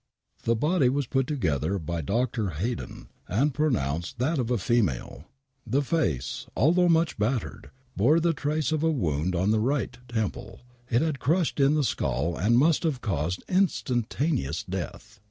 The body was put together by a Dr. Haydon and pronounced that of a female. 14 WAINWRIGHT MURDER The face,, although much battered, bore the trace of a wound on the right temple. It had crushed in the skull and must have caused instantaneous death